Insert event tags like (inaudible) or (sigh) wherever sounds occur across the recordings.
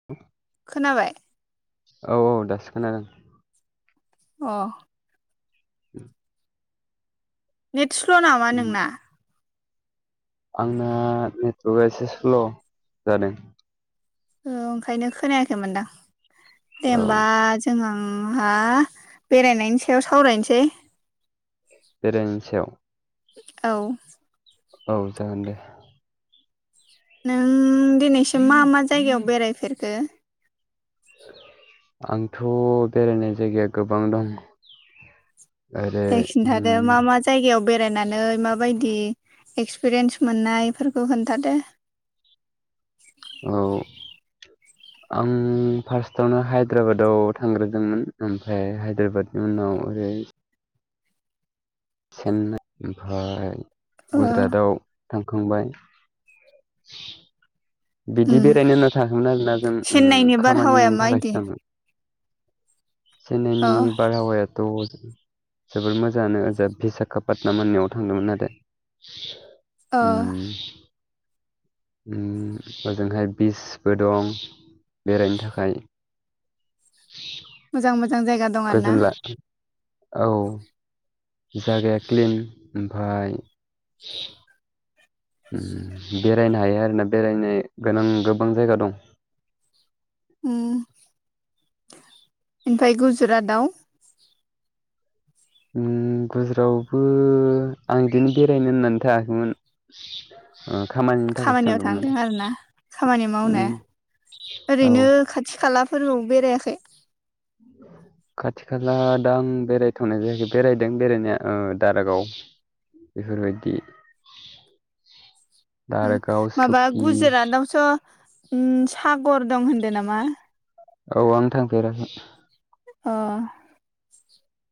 (inaudible) खोनाबाय? औ औ दासो खोनादोंं। अ (inaudible) नेट स्ल' नामा नोंना? आंना नेटर्कआ एसे स्ल' जादों। ओ ओंखायनो खोनायाखै मोनदां दे औ ओमबा जोंहा बेरायनायनि सायाव सावरायनोसै। बेरायनायनि सायाव। औ औ जागोन दे। नों दिनैसिम मा मा जायगायाव बेरायफेरखो? आंथ' बेरायनाय जायगाया गोबां दं। ओरै दे खिन्थादो उम। मा मा जायगायाव बेरायनानै माबायदि एक्सपिरियेन्स मोननाय इफोरखौ खोन्थादो। औ आं फार्स्टआवनो हायद्राबादाव थांग्रोदोंमोन ओमफ्राय हायद्राबादनि उनाव ओरै चेन्नाइ, ओमफाय अ गुजुरातआव थांखांबाय। बिदि उम बेरायनो होनना थाङाखैमोन आरोना जों ओ चेन्नाइनि बारहावाया खामानिनि थाखायसो माबायदि थांदोंमोन। अ चेननायनि बारहावायाथ' जोबोर मोजाङानो ओ बिशाखा पात्नाम होननायाव थांदोंमोन आरो। अ उम उम ओजोंहाय बिचबो दं बेरायनो थाखाय मोजां मोजां जायगा दं आरो ना गोजोनलाखि औ जागाया क्लिन ओमफाय उम बेरायनो हायो आरोना बेरायनो गोनां गोबां जायगा दं। उम ओमफाय गुजरातआव उम गुजुरावबो आं इदिनो बेरायनो होननानै थांआखैमोन। ओ खामानिनि थाखायसो खामानियाव थांदोंमोन थांदों आरो ना खामानि मावनो उम। औ ओरैनो खाथि खालाफोराव बेरायाखै? (inaudible) खाथि खाला दा आं बेरायथ'नाय जायाखै बेरायदों बेरायनाया ओ दारागाव बेफोरबायदि उम दारागाव माबा सुकि गुजरातआवथ' उम सागर दं होनदो नामा? औ आं थांफेराखै। अ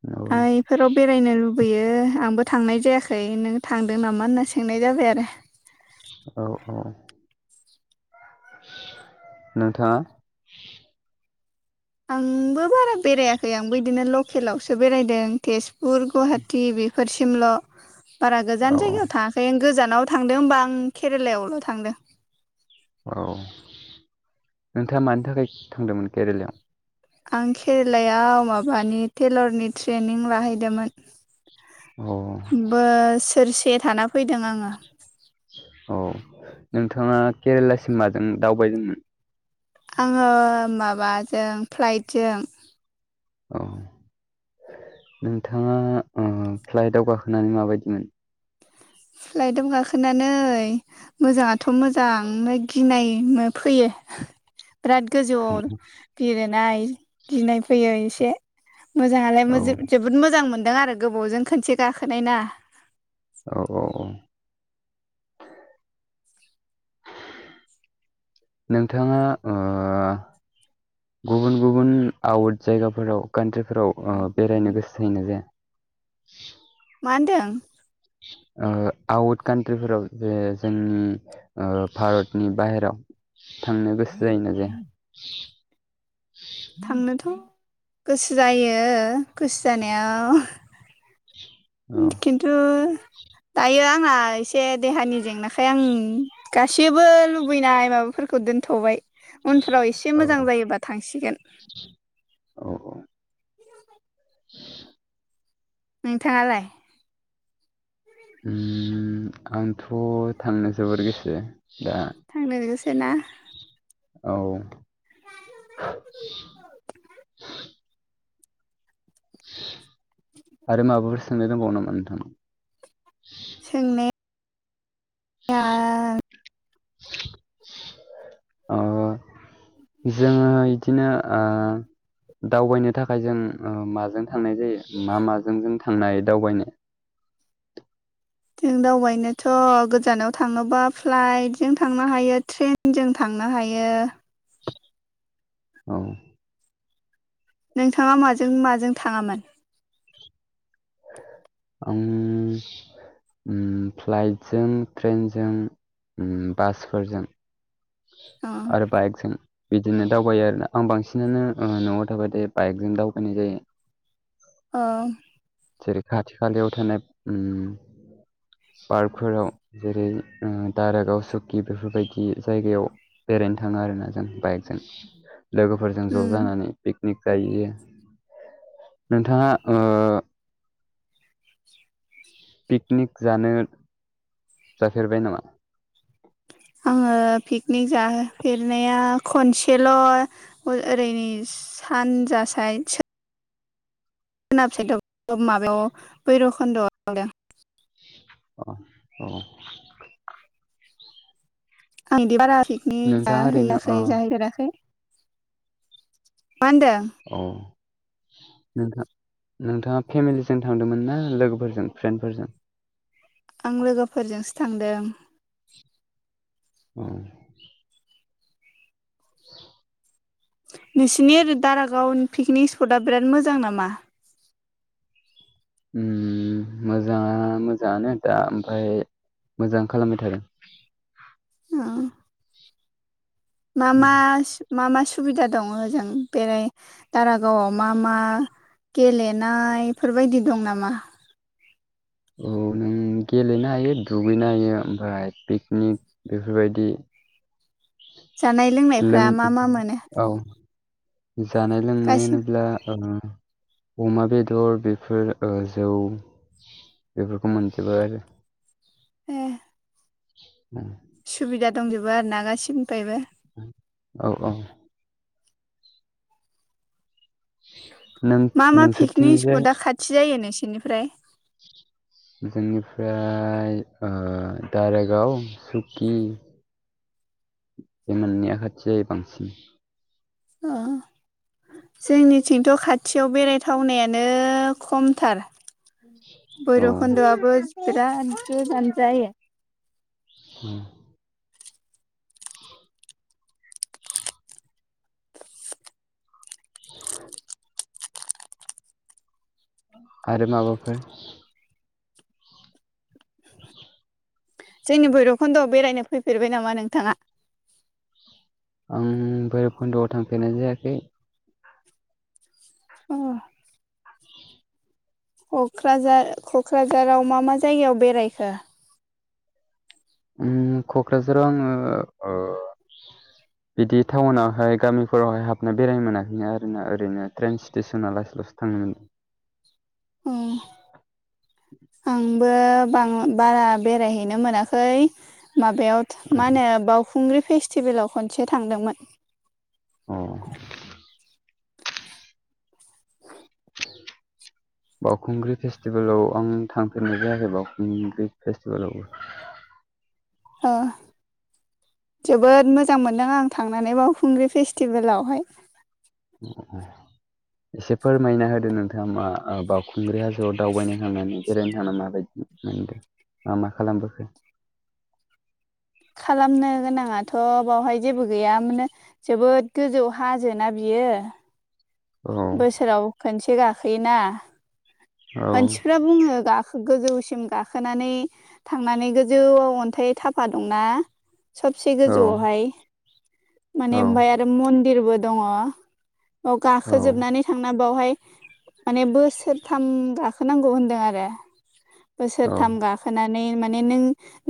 औ आ इफोराव बेरायनो लुब बेैयो आंबो थांनाय जायाखै नों थांदो नामा होनना सोंनाय जाबाय आरो। औ औ नोंथाङा आंबो बारा बेरायाखै आंबो इदिनो लकेलावसो बेरायदों तेजपुर गुवाहा टि बिफोरसिमल' बारा गोजान औ जायगायाव थाङाखै आं गोजानाव थांदो होनबा आं केरेलायावल' थांदो औ नोंथाङा मानि थाखाय थांदोंमोन केरेलायाव आं खेरेलायाव माबानि टेलरनि ट्रेनिं लाहैदोमोन अ बोसोरसे थाना फैदों आङो अ नोंथाङा केरेलासिम माजों दावबायदोंमोन आङो माबाजों फ्लाइटजों ओं नोंथाङा ओ फ्लाइटआव गाखोनानै माबायदि मोन फ्लाइआव गाखोनानै मोजाङाथ' मोजां नो गिनाय नो फैयो बिराद गोजौआव बिरोनाय गिनाय फैयो इसे मोजाङालाय औ मोजो जोबोद मोजां मोनदों आरो गोबोवजों खोनसे गाखोनाय ना औ औ औ नोंथाङा गुबुन गुबुन आवट जायगाफोराव कान्ट्रिफोराव ओ बेरायनो गोसो जायोना जाया मा होनदों ओ आउट कान्ट्रिफोराव जे जोंनि ओ भारतनि बाहेराव थांनो गोसो जायोना जाया थांनोथ' गोसो जायो गोसो जानाया औ किन्थु दायो आंहा एसे देहानि जेंनाखाय आं गासैबो लुबैनाय माबाफोरखौ दोनथ'बाय उनफ्राव इसे औ मोजां जायोबा थांसिगोन औ औ (inaudible) नोंथाङालाय उम आंथ' थांनो जोबोर गोसो दा थांनो गोसोना औ आरो माबाफोर सोंनो दंबावो नामा नोंथांनाव सोंनाय या ओ जोङो इदिनो ओ दावबायनो थाखाय जों माजों थांनाय जायो मा माजों जों थांनाय दावबायनो जों दावबायनोथ' गोजानाव थाङोबा फ्लाइट जों थांनो हायो ट्रेन न जों थांनो हायो औ नोंथाङा माजों माजों थाङामोन आं फ्लाइटजों ट्रेनजों बासफोरजों अ आरो बाइकजों बिदिनो दावबायो आरोोना आं बांसिनानो न'आव थाबाथाय बाइकजों दावबायनाय जायो (inaudible) ओ जेरै खाथि खालियाव थनाय उम पार्कफोराव जेरै दारागाव सुकि बेफोरबायदि जायगायाव बेरायनो थाङो आरोोना जों बाइकजों लोगोफोरजों उम ज' जानानै पिकनिक जाहैयो नोंथाङा पिकनिक जानो, जाफेरबाय नामा? आङो पिकनिक जाहोफेरनाया खनसेल' ओ ओरैनि सानजा साइद (unintelligible) माबायाव भैरबकुन्द'आव थांदों। (inaudible) आंदि बारा पिकनिक नोंथाङा ओरैनो जाहैयाखै अ जाहैफेराखै। मा होनदों? औ। नोंथां नोंथाङा फेमिलिजों थांदोंमोन ना लोगोफोरजों फ्रेन्डफोरजों? आं लोगोफोरजोंसो थांदों। (unintelligible) नोंसिनि ओरै दारागावनि पिकनिक स्पदा बिराद मोजां नामा? ओम मोजाङा मोजाङानो दा ओमफ्राय मोजां खालामबाय थादों। मा उम मास मा मा सुबिदा दङ ओजों बेराय दारागावआव मा मा गेलेनायफोरबायदि दं नामा? औ नों गेलेनो हायो दुगैनो हायो ओमफ्राय पिकनिक बेफोरबायदि जानाय लोंनायफ्रा लों मा मा मोनो औ जानाय लोंनाय गासिबो होनोब्ला ओम अमा बेदर बेफोर ओ जौ बेफोरखौ मोनजोबो आरो। ए। सुबिदा दंजोबो आर ना गासिनिफ्रायबो? औ औ। नों मा मा पिकनिक नोंसोरथिंजाय स्पदा खाथि जायो नोंसिनिफ्राय? जोंनिफ्राय ओ दारागाव सुकि बे मोननैया खाथि जायो बांसिन। अ जोंनिथिंथ' खाथियाव बेरायथावनायानो खमथार। औ भैरबकुन्द'याबो बिराद गोजान जायो। (unintelligible) औ (inaudible) आरो माबाफोर जोंनि भैरबखन्दयाव बेरायनो फैफेरबाय नामा नोंथाङा? आं बैरबखुन्दयाव थांफेरनाय जायाखै। अ। (inaudible) क'क्राझार क'क्राझाराव मा मा जायगायाव बेरायखो? उम क'क्राझाराव आङो ओ बिदि टाउनावहाय गामिफोरावहाय हाबनो बेराय मोनाखैनो आरोना ओरैनो ट्रेन स्टेसना लासै लासो थाङोमोन। उम (inaudible) आंबो बां बारा बेरायहैनो मोनाखै माबायाव मा होनो बावखुंग्रि फेस्टिभेलाव खनसे थांदोंमोन। अ। (inaudible) बावखुंग्रि फेस्टिभेलाव आं थांफेरनाय जायाखै बावखुंग्रि फेस्टिभेलावबो। ओ। जोबोद मोजां मोनदों आं थांनानै बावखुंग्रि फेस्टिभेलावहाय। (unintelligible) एसे फोरमायना होदो नोंथांङा मा ओ बावखुंग्रि हाजोआव दावबायनो थांनानै बेरायनो थांनानै माबायदि मोनदों मा मा खालामबोखो? खालामनो गोनाङाथ' बावहाय जेबो गैया मानो जोबोद गोजौ हाजोना बियो। औ बोसोराव खनसे गाखोयोना औ मानसिफ्रा बुंङो गाखो गोजौसिम गाखोनानै थांनानै गोजौआव अन्थाइ थाफा दंना सबसे औ गोजौआवहाय माने औ ओमफाय आरो मन्दिरबो दङ। औ औ गाखोजोबनानै थांना बावहाय माने बोसोरथाम गाखोनांगौ होनदों आरो औ बोसोरथाम गा खोनानै माने नों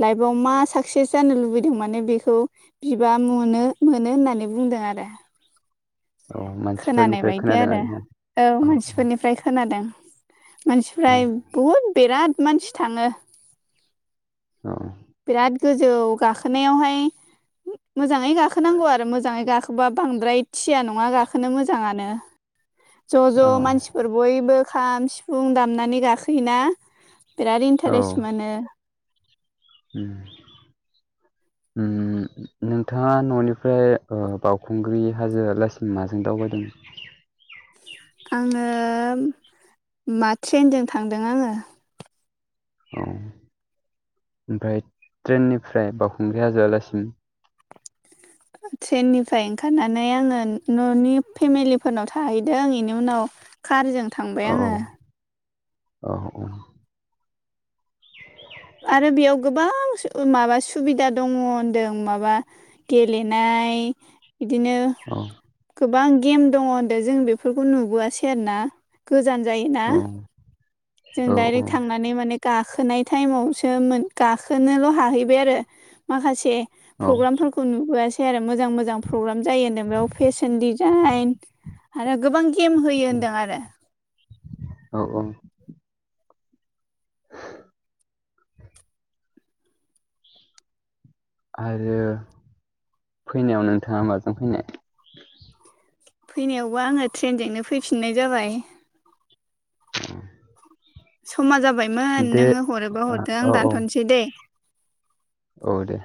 लाइपआव मा साक्सेस जानो लुबैदों माने बेखौ बिबा मुनो मोनो होननानै बुंदों आरो। औ खोनानाय मानसिफोरनिफ्राय बायदि खोनादों आरो आरोना औ मानसिफोरनिफ्राय खोनादों। मानसिफ्रा बहुद बिराद मानसि थाङो। औ। बिराद गोजौ गाखोनायावहाय मोजाङै गाखोनांगौ आरो मोजाङै गा बा बांद्राय थिया नङा गाखोनो मोजाङानो। ज' ज' औ मानसिफोर बयबो खाम सिफुं दामनानै गाखोयोना। बिराद इन्टारेस्ट मोनो। उम। उम नोंथाङा न'निफ्राय ओ बावउखुंग्रि हाजोआ लासि माजों दावबायदों? आंङो मा ट्रेनजों थांदों आंङो। औ ओमफ्राय ट्रेननिफ्राय बावखुंग्रि हाजोआलासिम? ट्रेननिफ्राय ओंखारनानै आंङो न'नि फेमिलिफोरनाव थाहैदों इनि उनाव कारजों थांबाय औ आंङो। औ औ। आरो बेयाव गोबां सु ओ माबा सुबिदा दंङ होनदों माबा गेलेनाय इदिनो औ। गोबां गेम दङ होनदों जों बेफोरखौ नुबोआसै आरोना गोजान जायोना। औ जों औ डायरेक्ट थांनानै माने गाखोनाय टाइमावसो मोन गाखोनोल' हाहैबाय आरो। माखासे औ प्रग्रामफोरखौ नुबोआ सै आरो मोजां मोजां प्रग्राम जायोनो बेयाव फेशन डिजाइन आरो गोबां गेम होयो होनदों आरो। औ औ। आरो फैनायाव नोंथाङा माजों फैनाय? फैनायावबो आंङो ट्रेनजोंनो फैफिननाय जाबाय। (unintelligible) समा जाबायमोन दे नोङो हरोबा हरदो आं औ औ दानथ'नोसै दे? औ दे।